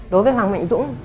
đối với hoàng minh dũng